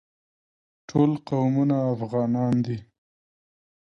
ټول قومونه افغانان دي